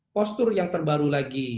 postur yang terbaru lagi